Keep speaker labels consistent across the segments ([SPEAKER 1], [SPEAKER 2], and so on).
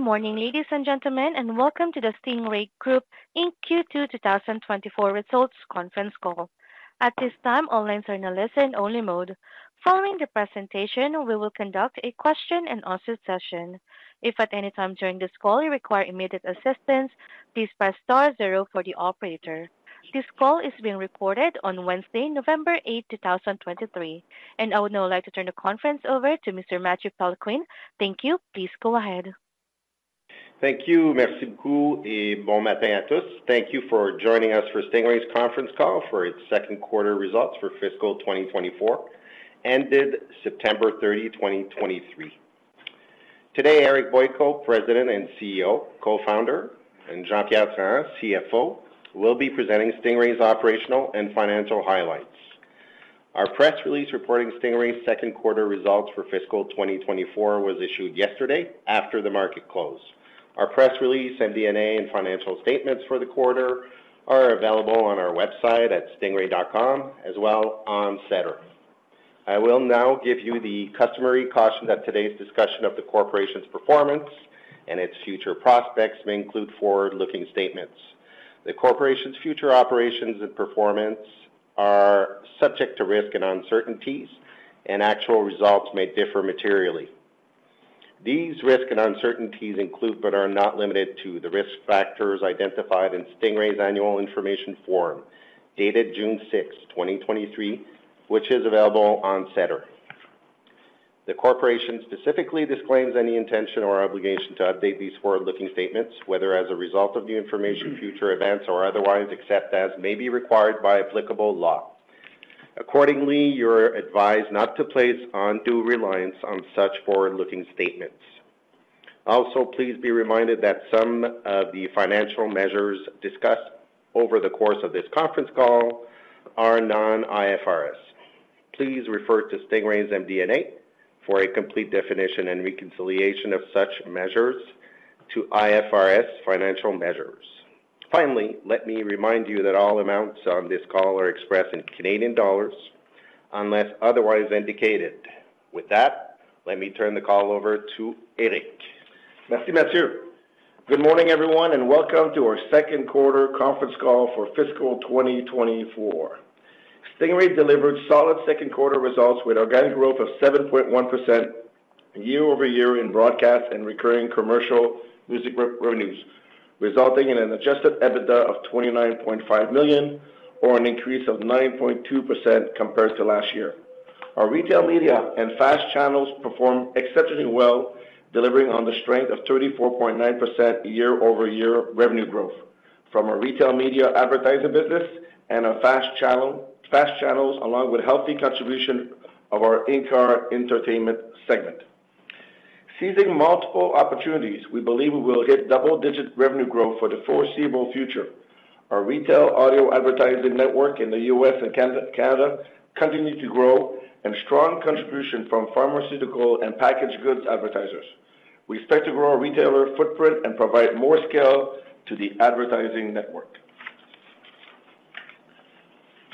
[SPEAKER 1] Good morning, ladies and gentlemen, and welcome to the Stingray Group Inc Q2 2024 results conference call. At this time, all lines are in a listen-only mode. Following the presentation, we will conduct a question-and-answer session. If at any time during this call you require immediate assistance, please press star zero for the operator. This call is being recorded on Wednesday November 8th, 2023. I would now like to turn the conference over to Mr. Mathieu Péloquin. Thank you. Please go ahead.
[SPEAKER 2] Thank you. Merci beaucoup, et bon matin à tous. Thank you for joining us for Stingray's conference call for its second quarter results for fiscal 2024, ended September 30, 2023. Today, Eric Boyko, President and CEO, Co-founder, and Jean-Pierre Trahan, CFO, will be presenting Stingray's operational and financial highlights. Our press release reporting Stingray's second quarter results for fiscal 2024 was issued yesterday after the market closed. Our press release, MD&A, and financial statements for the quarter are available on our website at stingray.com, as well on SEDAR. I will now give you the customary caution that today's discussion of the corporation's performance and its future prospects may include forward-looking statements. The corporation's future operations and performance are subject to risk and uncertainties, and actual results may differ materially. These risks and uncertainties include, but are not limited to, the risk factors identified in Stingray's annual information form, dated June 6th, 2023, which is available on SEDAR. The corporation specifically disclaims any intention or obligation to update these forward-looking statements, whether as a result of new information, future events, or otherwise, except as may be required by applicable law. Accordingly, you're advised not to place undue reliance on such forward-looking statements. Also, please be reminded that some of the financial measures discussed over the course of this conference call are non-IFRS. Please refer to Stingray's MD&A for a complete definition and reconciliation of such measures to IFRS financial measures. Finally, let me remind you that all amounts on this call are expressed in Canadian dollars, unless otherwise indicated. With that, let me turn the call over to Eric.
[SPEAKER 3] Merci, Mathieu. Good morning, everyone, and welcome to our second quarter conference call for fiscal 2024. Stingray delivered solid second quarter results with organic growth of 7.1% year-over-year in broadcast and recurring commercial music revenues, resulting in an adjusted EBITDA of 29.5 million, or an increase of 9.2% compared to last year. Our retail media and FAST channels performed exceptionally well, delivering on the strength of 34.9% year-over-year revenue growth from our retail media advertising business and our FAST channels, along with healthy contribution of our in-car entertainment segment. Seizing multiple opportunities, we believe we will hit double-digit revenue growth for the foreseeable future. Our retail audio advertising network in the US and Canada continue to grow, and strong contribution from pharmaceutical and packaged goods advertisers. We expect to grow our retailer footprint and provide more scale to the advertising network.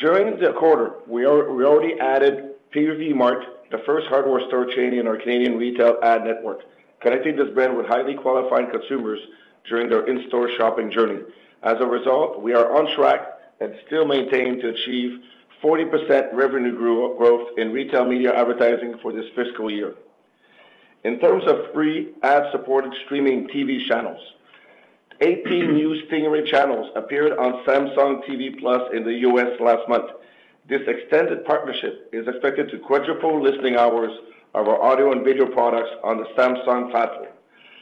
[SPEAKER 3] During the quarter, we already added Home Depot, the first hardware store chain in our Canadian retail ad network, connecting this brand with highly qualified consumers during their in-store shopping journey. As a result, we are on track and still maintaining to achieve 40% revenue growth in retail media advertising for this fiscal year. In terms of free ad-supported streaming TV channels, 18 new Stingray channels appeared on Samsung TV Plus in the U.S. last month. This extended partnership is expected to quadruple listening hours of our audio and video products on the Samsung platform,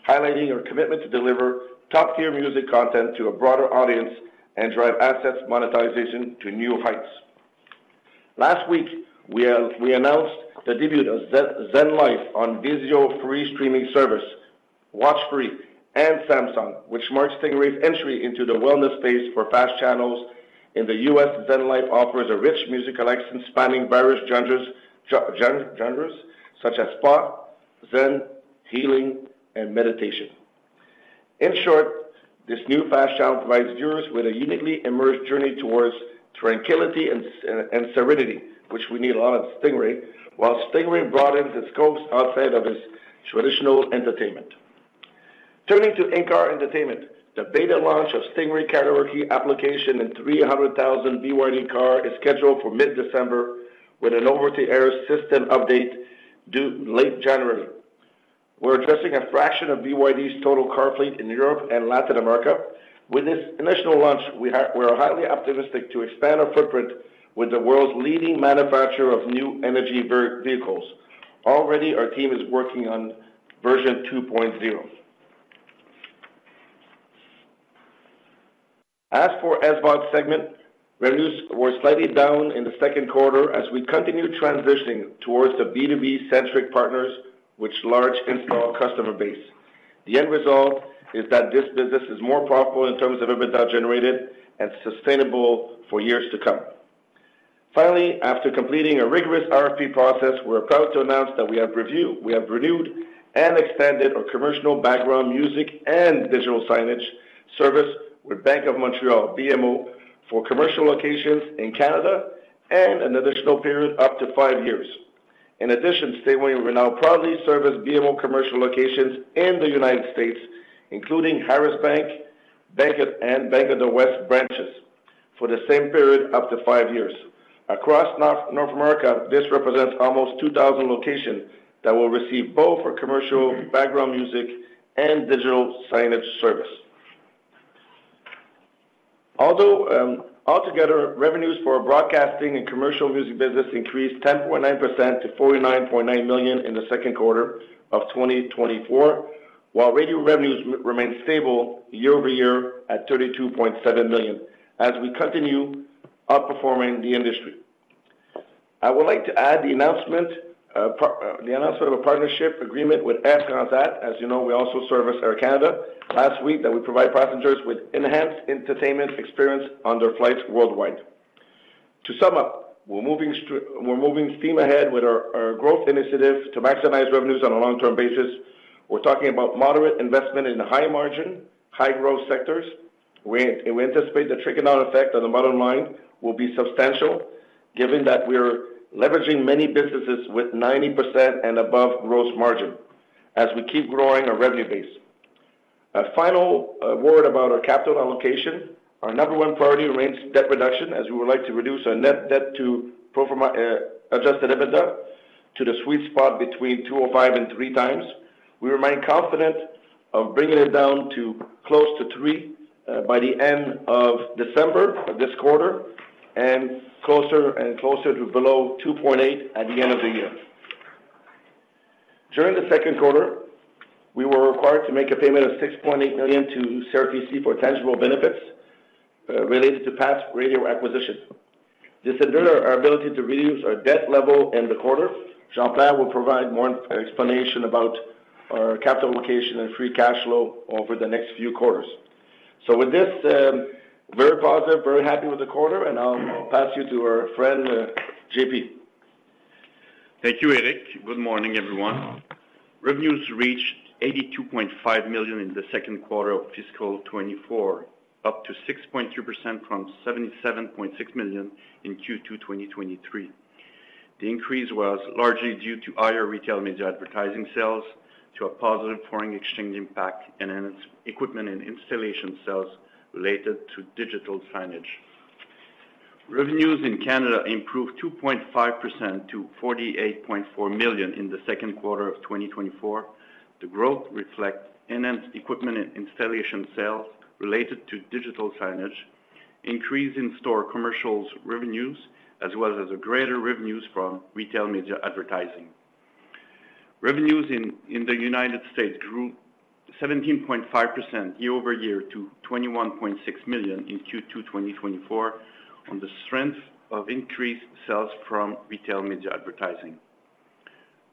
[SPEAKER 3] highlighting our commitment to deliver top-tier music content to a broader audience and drive assets monetization to new heights. Last week, we announced the debut of ZenLIFE on VIZIO free streaming service, WatchFree and Samsung, which marks Stingray's entry into the wellness space for FAST channels in the U.S. ZenLIFE offers a rich music collection spanning various genres, such as spa, zen, healing, and meditation. In short, this new FAST channel provides viewers with a uniquely immersed journey towards tranquility and serenity, which we need a lot at Stingray, while Stingray broadens its scopes outside of its traditional entertainment. Turning to in-car entertainment, the beta launch of Stingray Karaoke application in 300,000 BYD car is scheduled for mid-December, with an over-the-air system update due late January. We're addressing a fraction of BYD's total car fleet in Europe and Latin America. With this initial launch, we are highly optimistic to expand our footprint with the world's leading manufacturer of new energy vehicles. Already, our team is working on version 2.0. As for SVOD segment, revenues were slightly down in the second quarter as we continue transitioning towards the B2B-centric partners, which large install customer base. The end result is that this business is more profitable in terms of EBITDA generated and sustainable for years to come. Finally, after completing a rigorous RFP process, we're proud to announce that we have renewed and expanded our commercial background music and digital signage service with Bank of Montreal, BMO, for commercial locations in Canada and an additional period up to five years. In addition, Stingray will now proudly service BMO commercial locations in the United States, including Harris Bank and Bank of the West branches for the same period, up to five years. Across North America, this represents almost 2,000 locations that will receive both our commercial background music and digital signage service. Although altogether, revenues for our broadcasting and commercial music business increased 10.9% to 49.9 million in the second quarter of 2024, while radio revenues remain stable year-over-year at 32.7 million, as we continue outperforming the industry. I would like to add the announcement of a partnership agreement with Air Canada. As you know, we also service Air Canada. Last week, that we provide passengers with enhanced entertainment experience on their flights worldwide. To sum up, we're moving we're moving steam ahead with our, our growth initiatives to maximize revenues on a long-term basis. We're talking about moderate investment in high margin, high-growth sectors. We, and we anticipate the trickling effect on the bottom line will be substantial, given that we're leveraging many businesses with 90% and above gross margin as we keep growing our revenue base. A final word about our capital allocation. Our number 1 priority remains debt reduction, as we would like to reduce our net debt to pro forma adjusted EBITDA to the sweet spot between 2.5 and three times. We remain confident of bringing it down to close to 3 by the end of December, this quarter, and closer and closer to below 2.8 at the end of the year. During the second quarter, we were required to make a payment of 6.8 million to CRTC for tangible benefits, related to past radio acquisitions. This hindered our ability to reduce our debt level in the quarter. Jean-Pierre will provide more explanation about our capital allocation and free cash flow over the next few quarters. So with this, very positive, very happy with the quarter, and I'll pass you to our friend, JP.
[SPEAKER 4] Thank you, Eric. Good morning, everyone. Revenues reached 82.5 million in the second quarter of fiscal 2024, up 6.2% from 77.6 million in Q2 2023. The increase was largely due to higher retail media advertising sales, to a positive foreign exchange impact, and enhanced equipment and installation sales related to digital signage. Revenues in Canada improved 2.5% to 48.4 million in the second quarter of 2024. The growth reflects enhanced equipment and installation sales related to digital signage, increase in store commercials revenues, as well as a greater revenues from retail media advertising. Revenues in the United States grew 17.5% year-over-year to 21.6 million in Q2 2024, on the strength of increased sales from retail media advertising.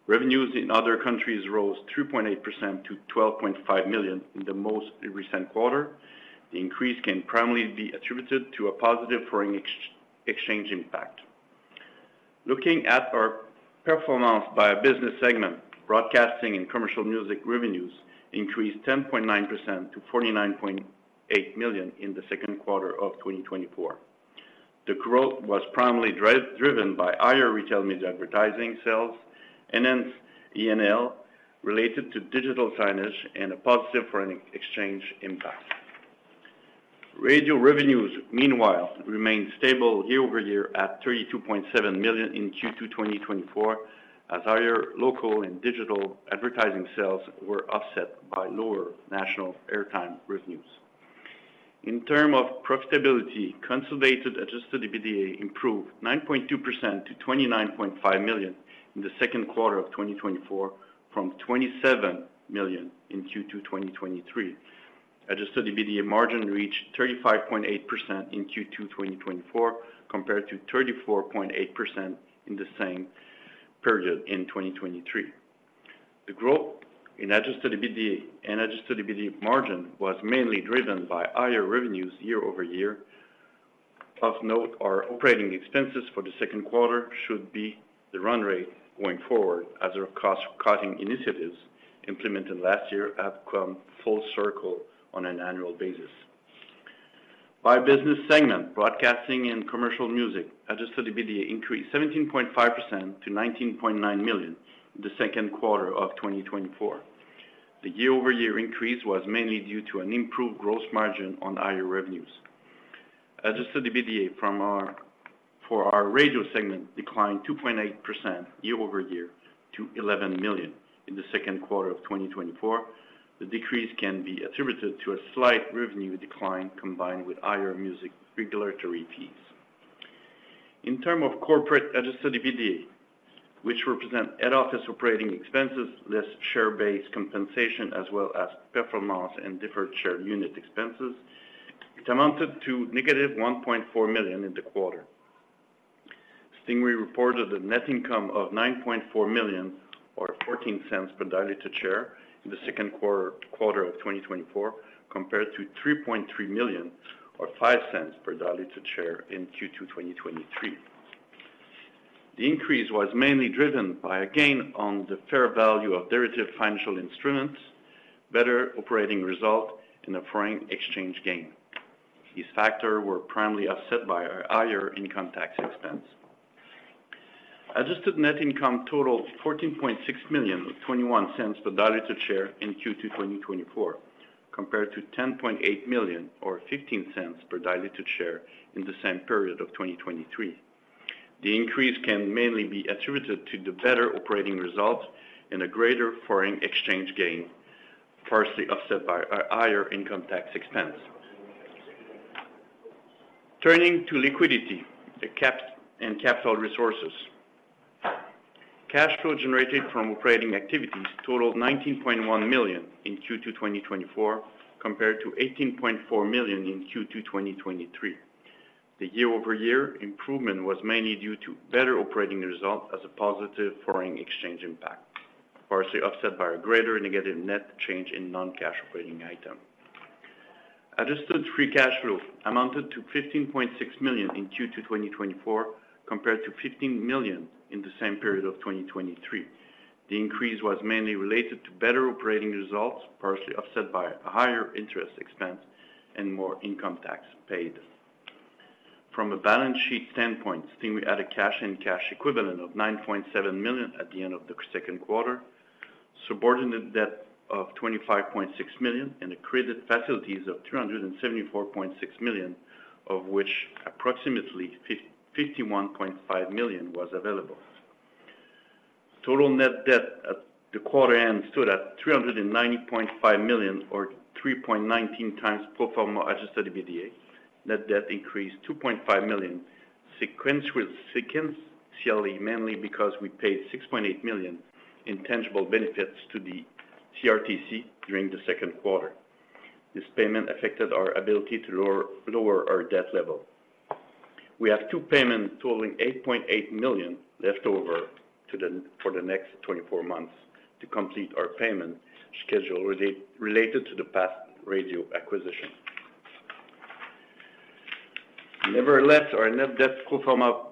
[SPEAKER 4] Revenues in other countries rose 3.8% to 12.5 million in the most recent quarter. The increase can primarily be attributed to a positive foreign exchange impact. Looking at our performance by a business segment, broadcasting and commercial music revenues increased 10.9% to 49.8 million in the second quarter of 2024. The growth was primarily driven by higher retail media advertising sales, enhanced E&L related to digital signage, and a positive foreign exchange impact. Radio revenues, meanwhile, remained stable year-over-year at 32.7 million in Q2 2024, as higher local and digital advertising sales were offset by lower national airtime revenues. In terms of profitability, consolidated adjusted EBITDA improved 9.2% to 29.5 million in the second quarter of 2024, from 27 million in Q2 2023. Adjusted EBITDA margin reached 35.8% in Q2 2024, compared to 34.8% in the same period in 2023. The growth in adjusted EBITDA and adjusted EBITDA margin was mainly driven by higher revenues year over year. Of note, our operating expenses for the second quarter should be the run rate going forward, as our cost-cutting initiatives implemented last year have come full circle on an annual basis. By business segment, broadcasting and commercial music, adjusted EBITDA increased 17.5% to 19.9 million in the second quarter of 2024. The year-over-year increase was mainly due to an improved gross margin on higher revenues. Adjusted EBITDA for our radio segment declined 2.8% year over year to 11 million in the second quarter of 2024. The decrease can be attributed to a slight revenue decline, combined with higher music regulatory fees. In terms of corporate adjusted EBITDA, which represents head office operating expenses, less share-based compensation, as well as performance and deferred share unit expenses, it amounted to -1.4 million in the quarter. Stingray reported a net income of 9.4 million or 0.14 per diluted share in the second quarter of 2024, compared to 3.3 million or 0.05 per diluted share in Q2 2023. The increase was mainly driven by a gain on the fair value of derivative financial instruments, better operating result, and a foreign exchange gain.... These factors were primarily offset by our higher income tax expense. Adjusted net income totaled 14.6 million, or CAD 0.21 per diluted share in Q2 2024, compared to 10.8 million, or 0.15 per diluted share in the same period of 2023. The increase can mainly be attributed to the better operating results and a greater foreign exchange gain, partially offset by our higher income tax expense. Turning to liquidity and capital resources. Cash flow generated from operating activities totaled 19.1 million in Q2 2024, compared to 18.4 million in Q2 2023. The year-over-year improvement was mainly due to better operating results as a positive foreign exchange impact, partially offset by a greater negative net change in non-cash operating item. Adjusted free cash flow amounted to 15.6 million in Q2 2024, compared to 15 million in the same period of 2023. The increase was mainly related to better operating results, partially offset by a higher interest expense and more income tax paid. From a balance sheet standpoint, Stingray had cash and cash equivalents of 9.7 million at the end of the second quarter, subordinated debt of 25.6 million, and credit facilities of 374.6 million, of which approximately 51.5 million was available. Total net debt at the quarter end stood at 390.5 million, or 3.19 times pro forma adjusted EBITDA. Net debt increased 2.5 million, sequentially, mainly because we paid 6.8 million in tangible benefits to the CRTC during the second quarter. This payment affected our ability to lower our debt level. We have two payments totaling 8.8 million left over for the next 24 months to complete our payment schedule related to the past radio acquisition. Nevertheless, our net debt pro forma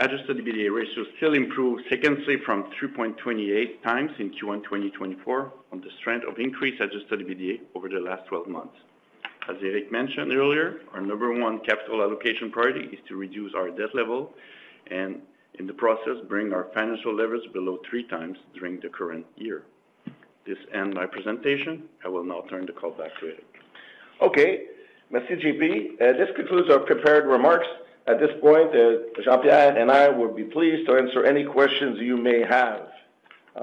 [SPEAKER 4] Adjusted EBITDA ratio still improved significantly from 3.28 times in Q1 2024, on the strength of increased Adjusted EBITDA over the last 12 months. As Eric mentioned earlier, our number one capital allocation priority is to reduce our debt level and, in the process, bring our financial leverage below 3 times during the current year. This ends my presentation. I will now turn the call back to Eric.
[SPEAKER 3] Okay, merci, JP. This concludes our prepared remarks. At this point, Jean-Pierre and I will be pleased to answer any questions you may have.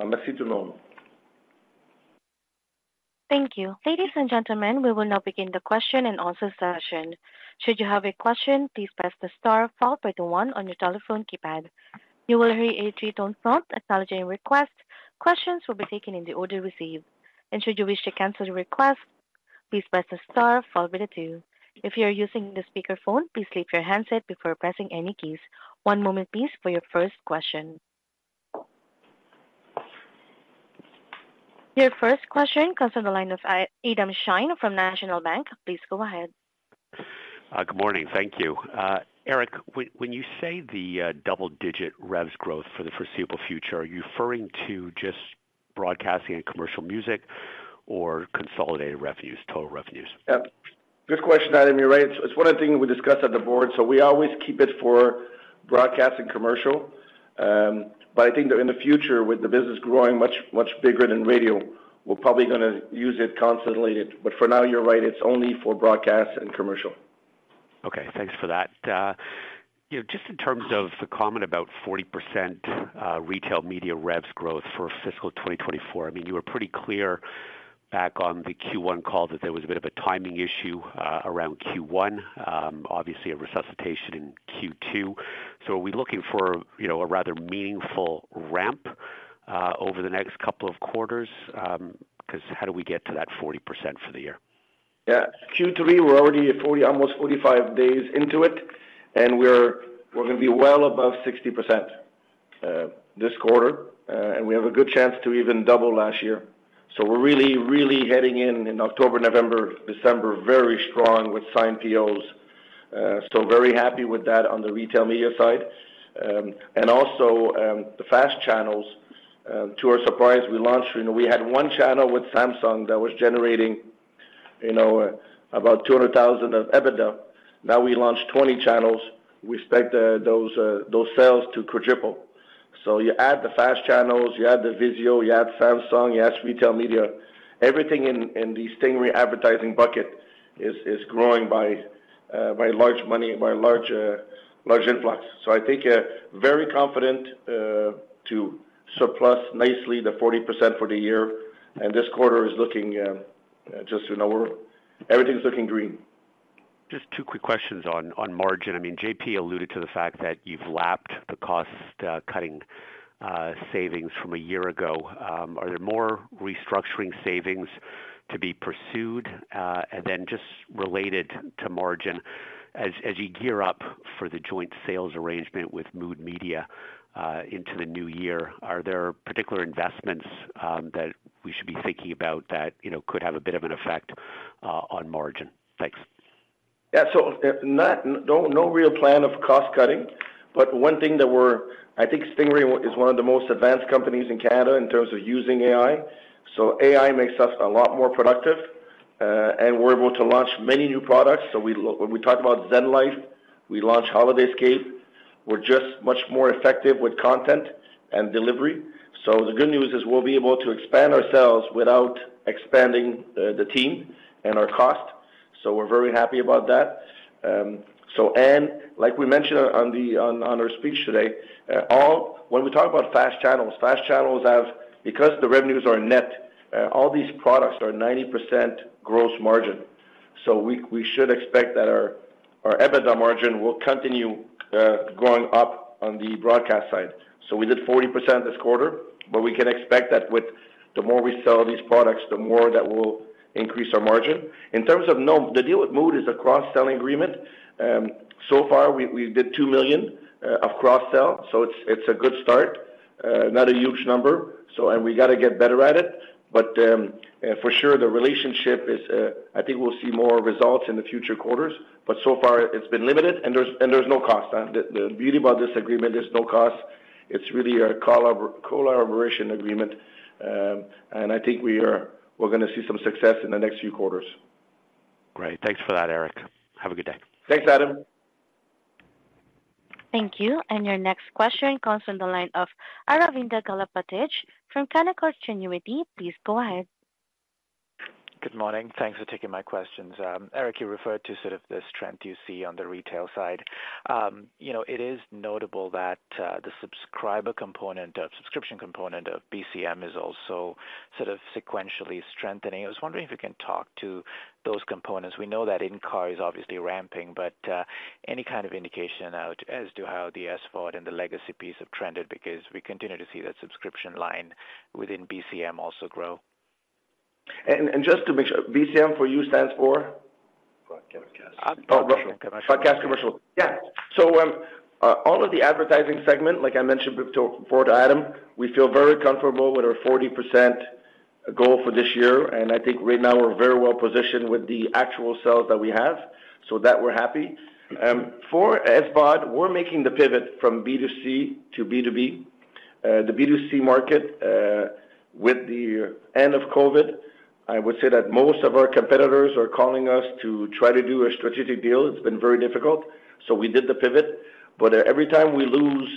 [SPEAKER 3] Merci tout le monde.
[SPEAKER 1] Thank you. Ladies and gentlemen, we will now begin the question-and-answer session. Should you have a question, please press the star followed by the one on your telephone keypad. You will hear a three-tone prompt acknowledging your request. Questions will be taken in the order received, and should you wish to cancel the request, please press the star followed by the two. If you are using the speakerphone, please leave your handset before pressing any keys. One moment, please, for your first question. Your first question comes on the line of Adam Shine from National Bank. Please go ahead.
[SPEAKER 5] Good morning. Thank you. Eric, when, when you say the double-digit revs growth for the foreseeable future, are you referring to just broadcasting and commercial music or consolidated revenues, total revenues?
[SPEAKER 3] Yeah, good question, Adam. You're right. It's one of the things we discussed at the board, so we always keep it for broadcast and commercial. But I think that in the future, with the business growing much, much bigger than radio, we're probably gonna use it consolidated. But for now, you're right, it's only for broadcast and commercial.
[SPEAKER 5] Okay, thanks for that. You know, just in terms of the comment about 40%, retail media revs growth for fiscal 2024, I mean, you were pretty clear back on the Q1 call that there was a bit of a timing issue around Q1, obviously, a resuscitation in Q2. So are we looking for, you know, a rather meaningful ramp over the next couple of quarters? Because how do we get to that 40% for the year?
[SPEAKER 3] Yeah. Q3, we're already at 40, almost 45 days into it, and we're gonna be well above 60%, this quarter, and we have a good chance to even double last year. So we're really heading in October, November, December, very strong with signed POs. So very happy with that on the retail media side. And also, the FAST channels, to our surprise, we launched, you know, we had one channel with Samsung that was generating, you know, about 200,000 of EBITDA. Now, we launched 20 channels. We expect those sales to quadruple. So you add the FAST channels, you add the VIZIO, you add Samsung, you add retail media. Everything in the Stingray advertising bucket is growing by large money, by large influx. So I think very confident to surplus nicely the 40% for the year, and this quarter is looking just, you know, we're... Everything is looking green.
[SPEAKER 5] Just two quick questions on margin. I mean, JP alluded to the fact that you've lapped the cost cutting savings from a year ago. Are there more restructuring savings to be pursued? And then just related to margin, as you gear up for the joint sales arrangement with Mood Media into the new year, are there particular investments that we should be thinking about that you know could have a bit of an effect on margin? Thanks.
[SPEAKER 3] Yeah. So, no real plan of cost cutting. But one thing. I think Stingray is one of the most advanced companies in Canada in terms of using AI. So AI makes us a lot more productive, and we're able to launch many new products. So when we talk about ZenLIFE, we launched HolidayScape. We're just much more effective with content and delivery. So the good news is, we'll be able to expand ourselves without expanding the team and our cost. So we're very happy about that. So, and like we mentioned on the, on, on our speech today, when we talk about FAST channels, FAST channels have, because the revenues are net, all these products are 90% gross margin. So we should expect that our EBITDA margin will continue going up on the broadcast side. So we did 40% this quarter, but we can expect that with the more we sell these products, the more that will increase our margin. In terms of Mood, the deal with Mood is a cross-selling agreement, so far we did 2 million of cross-sell, so it's a good start. Not a huge number, and we got to get better at it. But for sure, the relationship is, I think we'll see more results in the future quarters, but so far it's been limited, and there's no cost. The beauty about this agreement, there's no cost. It's really a collaboration agreement, and I think we're gonna see some success in the next few quarters.
[SPEAKER 5] Great. Thanks for that, Eric. Have a good day.
[SPEAKER 3] Thanks, Adam.
[SPEAKER 1] Thank you. And your next question comes from the line of Aravinda Galappatthige from Canaccord Genuity. Please go ahead.
[SPEAKER 6] Good morning. Thanks for taking my questions. Eric, you referred to sort of this trend you see on the retail side. You know, it is notable that the subscription component of BCM is also sort of sequentially strengthening. I was wondering if you can talk to those components. We know that in-car is obviously ramping, but any kind of indication out as to how the SVOD and the legacy piece have trended, because we continue to see that subscription line within BCM also grow.
[SPEAKER 3] Just to make sure, BCM for you stands for?
[SPEAKER 6] Broadcast commercial.
[SPEAKER 3] Oh, broadcast. Broadcast commercial. Yeah. So, all of the advertising segment, like I mentioned before to Adam, we feel very comfortable with our 40% goal for this year, and I think right now we're very well positioned with the actual sales that we have, so that we're happy. For SVOD, we're making the pivot from B2C to B2B. The B2C market, with the end of COVID, I would say that most of our competitors are calling us to try to do a strategic deal. It's been very difficult, so we did the pivot. But, every time we lose,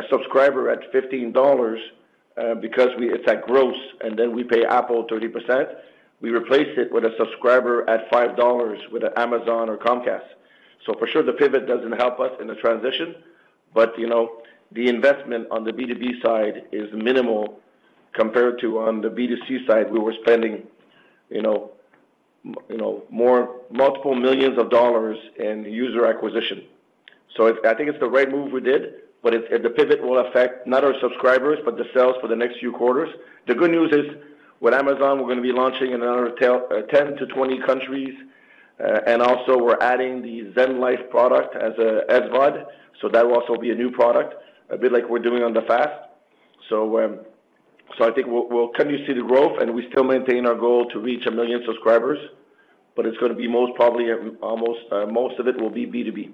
[SPEAKER 3] a subscriber at 15 dollars, because we... It's at gross, and then we pay Apple 30%, we replace it with a subscriber at 5 dollars with an Amazon or Comcast. So for sure, the pivot doesn't help us in the transition, but, you know, the investment on the B2B side is minimal compared to on the B2C side, we were spending, you know, you know, multiple millions of dollars in user acquisition. So I think it's the right move we did, but and the pivot will affect not our subscribers, but the sales for the next few quarters. The good news is, with Amazon, we're gonna be launching in another 10-20 countries, and also we're adding the ZenLIFE product as a SVOD. So that will also be a new product, a bit like we're doing on the FAST. So, I think we'll continue to see the growth, and we still maintain our goal to reach 1 million subscribers, but it's gonna be most probably, almost, most of it will be B2B.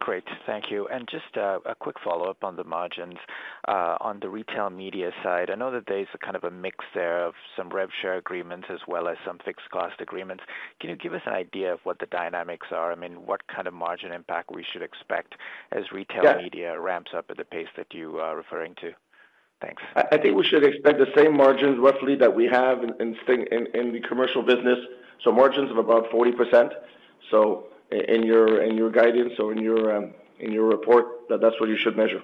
[SPEAKER 6] Great, thank you. And just, a quick follow-up on the margins. On the retail media side, I know that there's a kind of a mix there of some rev share agreements as well as some fixed cost agreements. Can you give us an idea of what the dynamics are? I mean, what kind of margin impact we should expect as retail-
[SPEAKER 3] Yeah...
[SPEAKER 6] media ramps up at the pace that you are referring to? Thanks.
[SPEAKER 3] I think we should expect the same margins, roughly, that we have in the commercial business, so margins of about 40%. So in your guidance or in your report, that's what you should measure.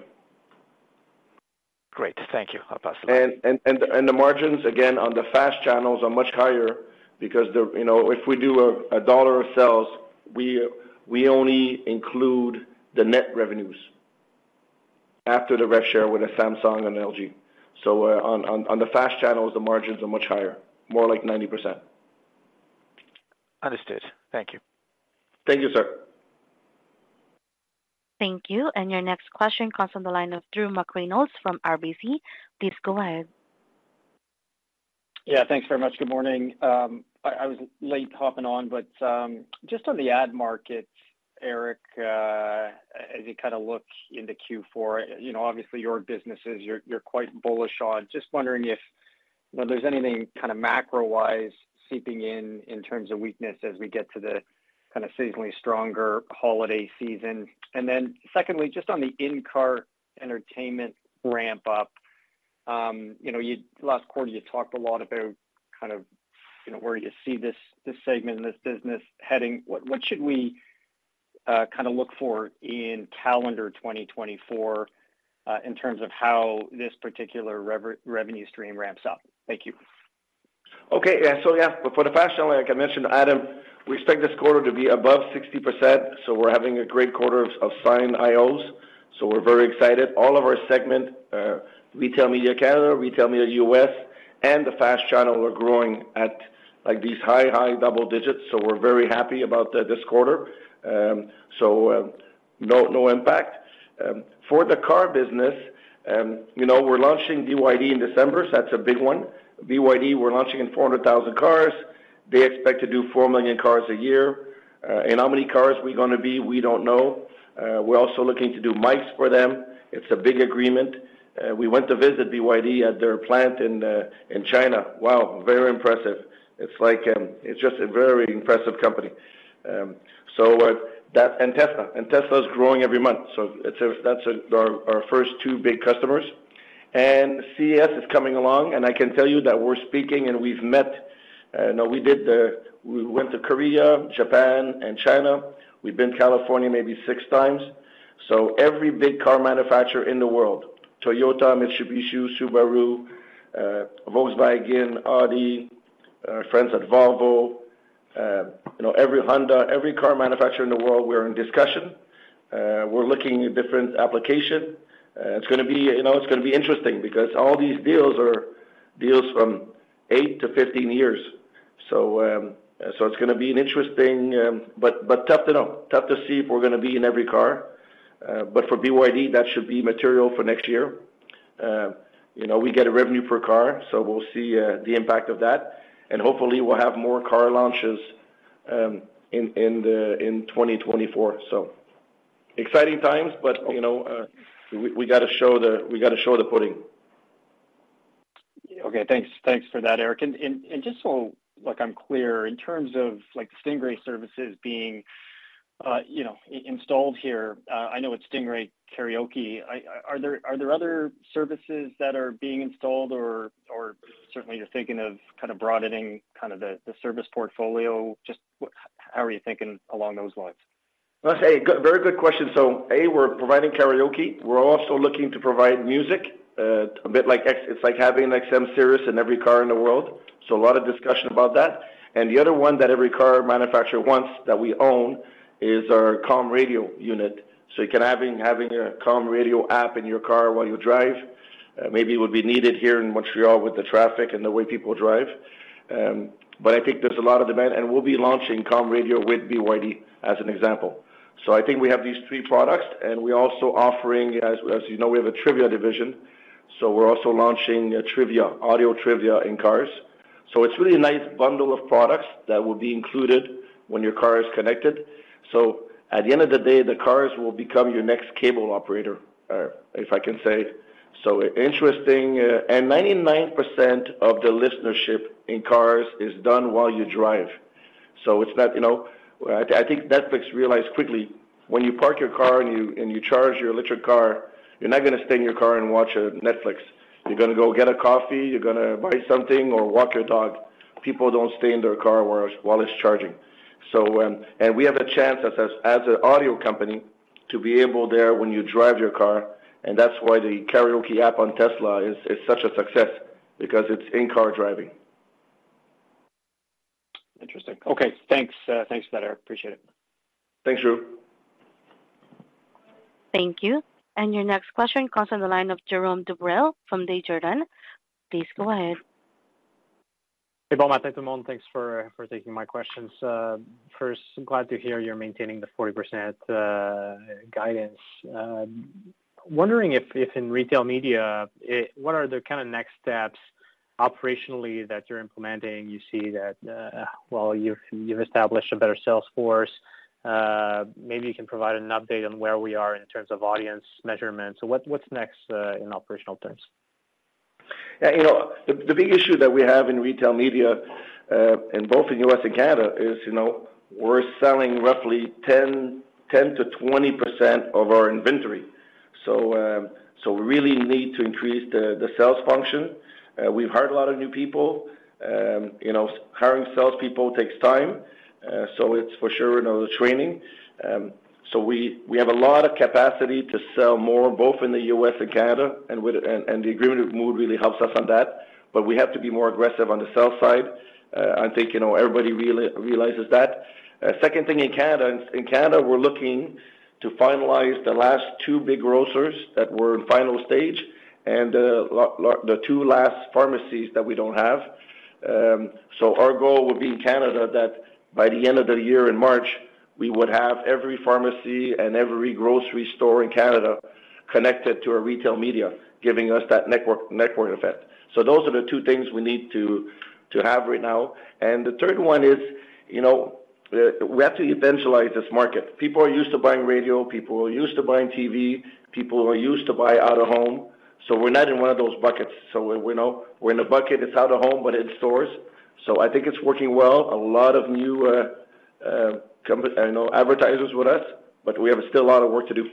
[SPEAKER 6] Great. Thank you. I'll pass on.
[SPEAKER 3] The margins, again, on the FAST channels are much higher because... You know, if we do $1 of sales, we only include the net revenues after the rev share with Samsung and LG. So, on the FAST channels, the margins are much higher, more like 90%.
[SPEAKER 6] Understood. Thank you.
[SPEAKER 3] Thank you, sir.
[SPEAKER 1] Thank you. Your next question comes from the line of Drew McReynolds from RBC. Please go ahead.
[SPEAKER 7] Yeah, thanks very much. Good morning. I was late hopping on, but just on the ad market, Eric, as you kind of look into Q4, you know, obviously, your businesses, you're quite bullish on. Just wondering if, you know, there's anything kind of macro-wise seeping in terms of weakness as we get to the kind of seasonally stronger holiday season. And then secondly, just on the in-car entertainment ramp up, you know, last quarter, you talked a lot about kind of, you know, where you see this segment and this business heading. What should we kind of look for in calendar 2024, in terms of how this particular revenue stream ramps up? Thank you.
[SPEAKER 3] Okay. Yeah, so yeah, for the FAST channel, like I mentioned to Adam, we expect this quarter to be above 60%, so we're having a great quarter of signed IOs, so we're very excited. All of our segment, retail media Canada, retail media US, and the FAST channel are growing at, like, these high, high double digits, so we're very happy about this quarter. So, no impact. For the car business, you know, we're launching BYD in December, so that's a big one. BYD, we're launching in 400,000 cars. They expect to do 4 million cars a year. And how many cars we're gonna be? We don't know. We're also looking to do mics for them. It's a big agreement. We went to visit BYD at their plant in China. Wow, very impressive! It's like, it's just a very impressive company. So, that and Tesla, and Tesla is growing every month, so it's, that's our our first two big customers. And CES is coming along, and I can tell you that we're speaking and we've met, no, we did, we went to Korea, Japan, and China. We've been to California maybe 6 times. So every big car manufacturer in the world, Toyota, Mitsubishi, Subaru, Volkswagen, Audi, friends at Volvo, you know, every Honda, every car manufacturer in the world, we're in discussion. We're looking at different application. It's gonna be, you know, it's gonna be interesting because all these deals are deals from 8-15 years. So, so it's gonna be an interesting, but, but tough to know. Tough to see if we're gonna be in every car, but for BYD, that should be material for next year. You know, we get a revenue per car, so we'll see the impact of that, and hopefully we'll have more car launches in 2024. So exciting times, but, you know, we gotta show the pudding.
[SPEAKER 7] Okay, thanks. Thanks for that, Eric. And just so, like, I'm clear, in terms of, like, Stingray services being, you know, installed here, I know it's Stingray Karaoke. Are there other services that are being installed or certainly you're thinking of kind of broadening kind of the service portfolio? Just how are you thinking along those lines?
[SPEAKER 3] That's a good, very good question. So, A, we're providing karaoke. We're also looking to provide music, a bit like XM, it's like having SiriusXM in every car in the world, so a lot of discussion about that. And the other one that every car manufacturer wants, that we own, is our Calm Radio unit. So you can having a Calm Radio app in your car while you drive. Maybe it would be needed here in Montreal with the traffic and the way people drive, but I think there's a lot of demand, and we'll be launching Calm Radio with BYD as an example. So I think we have these three products, and we're also offering, as you know, we have a trivia division, so we're also launching a trivia, audio trivia in cars. It's really a nice bundle of products that will be included when your car is connected. At the end of the day, the cars will become your next cable operator, if I can say. Interesting. 99% of the listenership in cars is done while you drive. It's not, you know, I think Netflix realized quickly, when you park your car and you charge your electric car, you're not gonna stay in your car and watch Netflix. You're gonna go get a coffee, you're gonna buy something or walk your dog. People don't stay in their car while it's charging. We have a chance as an audio company to be able there when you drive your car, and that's why the karaoke app on Tesla is such a success, because it's in-car driving.
[SPEAKER 7] Interesting. Okay, thanks. Thanks for that, Eric. Appreciate it.
[SPEAKER 3] Thanks, Drew.
[SPEAKER 1] Thank you. Your next question comes on the line of Jérome Dubreuil from Desjardins. Please go ahead.
[SPEAKER 8] Hey, bon matin, everyone. Thanks for taking my questions. First, glad to hear you're maintaining the 40% guidance. Wondering if in retail media, what are the kind of next steps operationally that you're implementing? You see that, well, you've established a better sales force. Maybe you can provide an update on where we are in terms of audience measurements. So what's next in operational terms?
[SPEAKER 3] Yeah, you know, the big issue that we have in retail media, and both in the U.S. and Canada, is, you know, we're selling roughly 10%-20% of our inventory. So, we really need to increase the sales function. We've hired a lot of new people. You know, hiring salespeople takes time, so it's for sure, you know, the training. So we have a lot of capacity to sell more, both in the U.S. and Canada, and the agreement with Mood really helps us on that, but we have to be more aggressive on the sales side. I think, you know, everybody realizes that. Second thing in Canada, in Canada, we're looking to finalize the last two big grocers that we're in final stage, and the two last pharmacies that we don't have. So our goal would be in Canada, that by the end of the year in March, we would have every pharmacy and every grocery store in Canada connected to a retail media, giving us that network, network effect. So those are the two things we need to have right now. And the third one is, you know, we have to evangelize this market. People are used to buying radio, people are used to buying TV, people are used to buy out-of-home. So we're not in one of those buckets, so we know. We're in a bucket that's out-of-home, but in stores, so I think it's working well. A lot of new companies. New advertisers with us, but we have still a lot of work to do.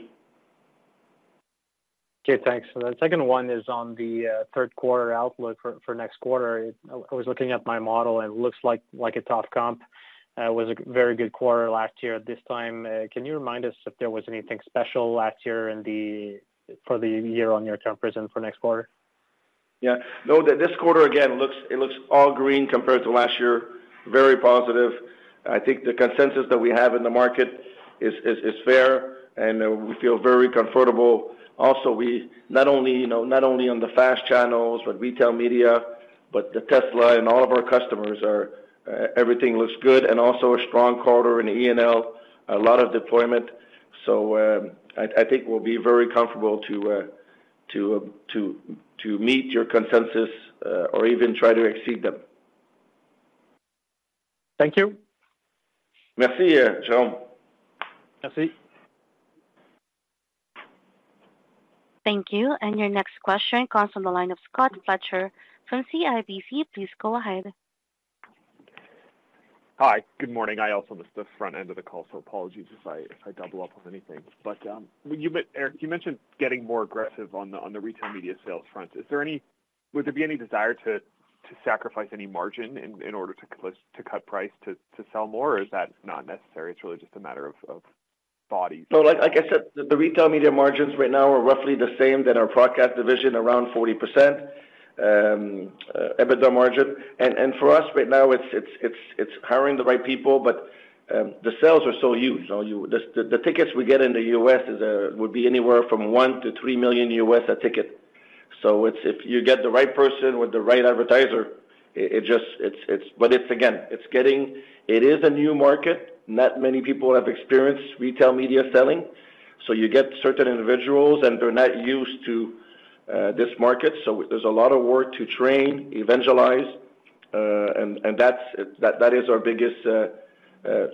[SPEAKER 8] Okay, thanks. The second one is on the third quarter outlook for next quarter. I was looking at my model, and it looks like a tough comp. It was a very good quarter last year at this time. Can you remind us if there was anything special last year in the for the year-on-year comparison for next quarter?
[SPEAKER 3] Yeah. No, this quarter, again, looks, it looks all green compared to last year. Very positive. I think the consensus that we have in the market is fair, and we feel very comfortable. Also, we not only, you know, not only on the FAST channels, but retail media, but the Tesla and all of our customers are everything looks good, and also a strong quarter in E&L, a lot of deployment. So, I think we'll be very comfortable to meet your consensus, or even try to exceed them.
[SPEAKER 8] Thank you.
[SPEAKER 3] Merci, Jérome.
[SPEAKER 8] Merci.
[SPEAKER 1] Thank you. Your next question comes from the line of Scott Fletcher from CIBC. Please go ahead.
[SPEAKER 9] Hi, good morning. I also missed the front end of the call, so apologies if I, if I double up on anything. But, you, Eric, you mentioned getting more aggressive on the, on the retail media sales front. Is there would there be any desire to, to sacrifice any margin in, in order to close, to cut price, to, to sell more, or is that not necessary? It's really just a matter of, of body.
[SPEAKER 3] So like I said, the retail media margins right now are roughly the same than our broadcast division, around 40% EBITDA margin. And for us, right now, it's hiring the right people, but the sales are so huge. You know, the tickets we get in the US is would be anywhere from $1 million-$3 million a ticket. So if you get the right person with the right advertiser, it just is. But it's again getting it is a new market. Not many people have experienced retail media selling. So you get certain individuals, and they're not used to this market. So there's a lot of work to train, evangelize, and that's that is our biggest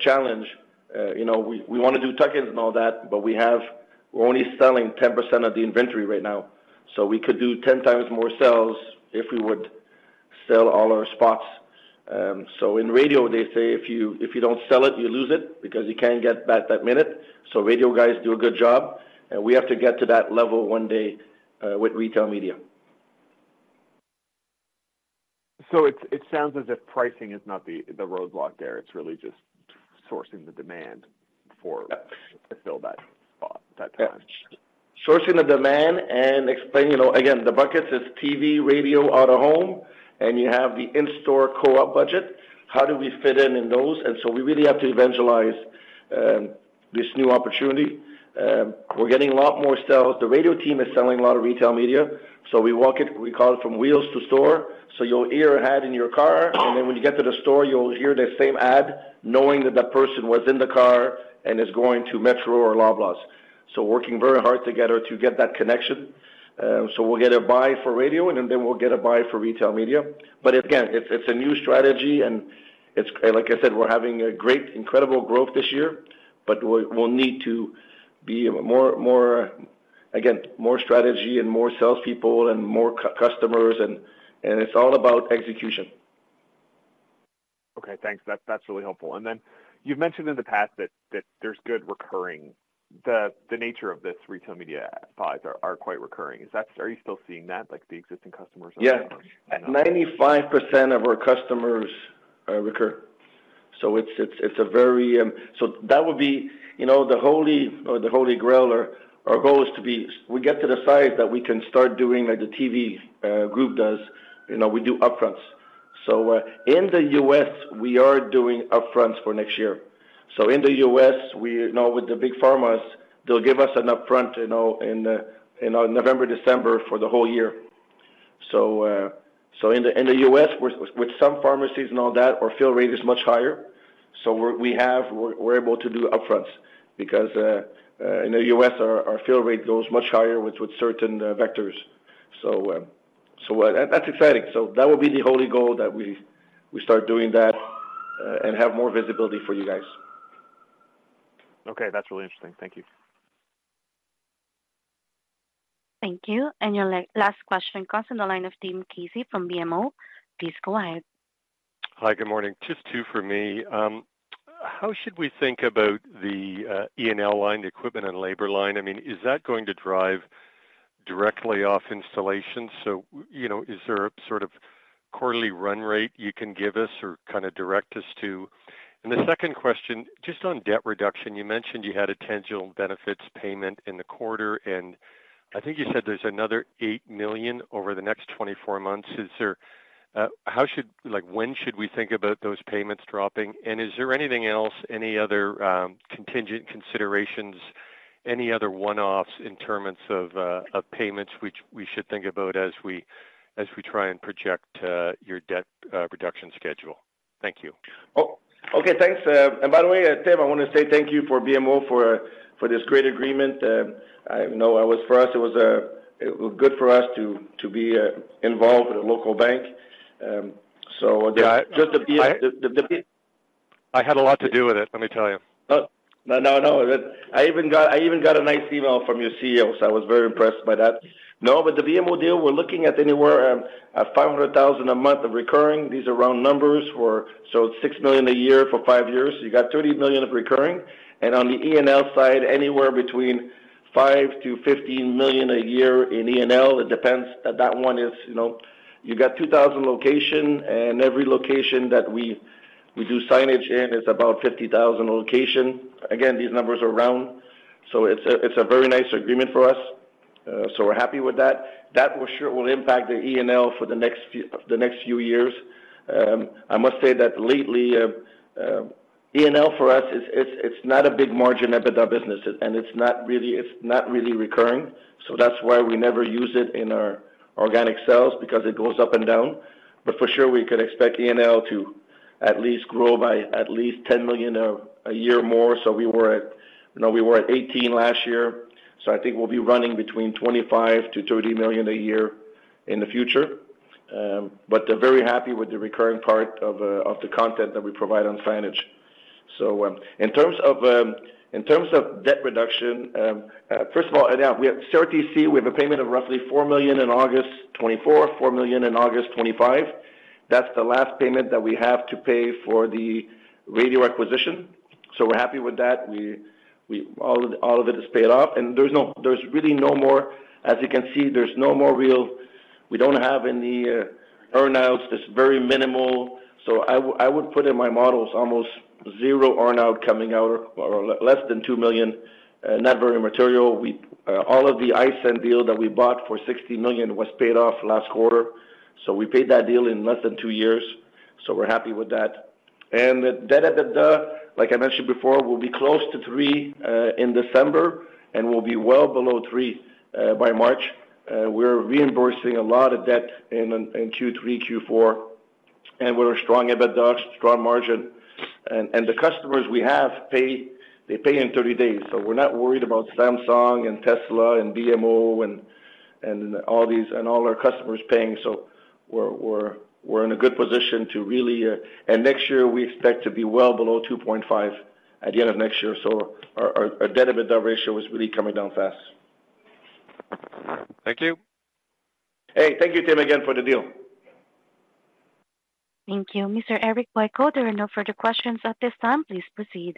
[SPEAKER 3] challenge. You know, we, we wanna do tuck-ins and all that, but we have- we're only selling 10% of the inventory right now. So we could do 10 times more sales if we would sell all our spots. So in radio, they say, "If you, if you don't sell it, you lose it, because you can't get back that minute." So radio guys do a good job, and we have to get to that level one day, with retail media.
[SPEAKER 9] So it sounds as if pricing is not the roadblock there, it's really just sourcing the demand to fill that spot, that time.
[SPEAKER 3] Yes. Sourcing the demand and explaining, you know, again, the buckets is TV, radio, out-of-home, and you have the in-store co-op budget. How do we fit in in those? And so we really have to evangelize this new opportunity. We're getting a lot more sales. The radio team is selling a lot of retail media, so we walk it, we call it from wheels to store. So you'll hear an ad in your car, and then when you get to the store, you'll hear the same ad, knowing that that person was in the car and is going to Metro or Loblaws. So working very hard together to get that connection. So we'll get a buy for radio, and then, then we'll get a buy for retail media. But again, it's, it's a new strategy, and it's like I said, we're having a great, incredible growth this year, but we'll need to be more strategy and more salespeople and more customers, and it's all about execution.
[SPEAKER 9] Okay, thanks. That's really helpful. And then you've mentioned in the past that there's good recurring. The nature of this retail media buys are quite recurring. Is that— are you still seeing that, like, the existing customers are—
[SPEAKER 3] Yes.
[SPEAKER 9] or no?
[SPEAKER 3] 95% of our customers recur. So it's a very... So that would be, you know, the holy grail. Our goal is to be, we get to the size that we can start doing like the TV group does, you know, we do upfronts. So in the U.S., we are doing upfronts for next year. So in the U.S., you know, with the big pharmas, they'll give us an upfront, you know, in November, December for the whole year. So in the U.S., with some pharmacies and all that, our fill rate is much higher. So we're able to do upfronts because in the U.S., our fill rate goes much higher with certain vectors. So that's exciting. So that would be the holy goal, that we start doing that, and have more visibility for you guys.
[SPEAKER 9] Okay, that's really interesting. Thank you.
[SPEAKER 1] Thank you. Your last question comes from the line of Tim Casey from BMO. Please go ahead.
[SPEAKER 10] Hi, good morning. Just two for me. How should we think about the E&L line, the equipment and labor line? I mean, is that going to drive directly off installation? So, you know, is there a sort of quarterly run rate you can give us or kinda direct us to? The second question, just on debt reduction, you mentioned you had a tangible benefits payment in the quarter, and I think you said there's another 8 million over the next 24 months. Is there, how should... Like, when should we think about those payments dropping? And is there anything else, any other, contingent considerations, any other one-offs in terms of, of payments, which we should think about as we, as we try and project, your debt reduction schedule? Thank you.
[SPEAKER 3] Oh, okay, thanks. And by the way, Tim, I wanna say thank you for BMO for this great agreement. I know it was, for us, it was, it good for us to be involved with a local bank. So just to be, the-
[SPEAKER 10] I had a lot to do with it, let me tell you.
[SPEAKER 3] Oh, no, no, no. I even got, I even got a nice email from your CEO, so I was very impressed by that. No, but the BMO deal, we're looking at anywhere, at 500,000 a month of recurring. These are round numbers for... So 6 million a year for 5 years, you got 30 million of recurring. And on the E&L side, anywhere between 5 million-15 million a year in E&L, it depends. That one is, you know, you got 2,000 locations, and every location that we do signage in is about 50,000 per location. Again, these numbers are round, so it's a very nice agreement for us, so we're happy with that. That for sure will impact the E&L for the next few years. I must say that lately, E&L for us, it's not a big margin EBITDA business, and it's not really recurring. So that's why we never use it in our organic sales, because it goes up and down. But for sure, we could expect E&L to at least grow by at least 10 million a year more. So we were at, you know, we were at 18 million last year, so I think we'll be running between 25 million-30 million a year in the future. But they're very happy with the recurring part of the content that we provide on financial. So, in terms of debt reduction, first of all, yeah, we have CRTC. We have a payment of roughly 4 million in August 2024, 4 million in August 2025. That's the last payment that we have to pay for the radio acquisition. So we're happy with that. We all of it is paid off, and there's really no more. As you can see, there's no more real we don't have any earn-outs. It's very minimal. So I would put in my models almost zero earn-out coming out, or less than 2 million, not very material. All of the iSend deal that we bought for 60 million was paid off last quarter, so we paid that deal in less than 2 years, so we're happy with that. And the debt EBITDA, like I mentioned before, will be close to three in December and will be well below three by March. We're reimbursing a lot of debt in Q3, Q4, and we're a strong EBITDA, strong margin. And the customers we have pay, they pay in 30 days, so we're not worried about Samsung and Tesla and BMO and all these and all our customers paying. So we're in a good position to really... And next year we expect to be well below 2.5 at the end of next year. So our debt EBITDA ratio is really coming down fast.
[SPEAKER 10] Thank you.
[SPEAKER 3] Hey, thank you, Tim, again for the deal.
[SPEAKER 1] Thank you. Mr. Eric Boyko, there are no further questions at this time. Please proceed.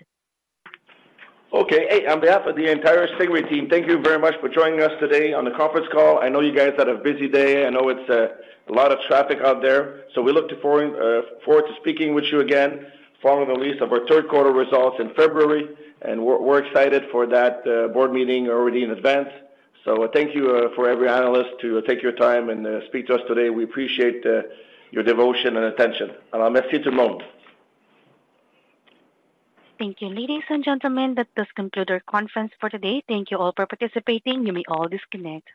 [SPEAKER 3] Okay. Hey, on behalf of the entire Stingray team, thank you very much for joining us today on the conference call. I know you guys had a busy day. I know it's a lot of traffic out there, so we look forward to speaking with you again following the release of our third quarter results in February, and we're excited for that board meeting already in advance. So thank you for every analyst to take your time and speak to us today. We appreciate your devotion and attention.
[SPEAKER 1] Thank you. Ladies and gentlemen, that does conclude our conference for today. Thank you all for participating. You may all disconnect.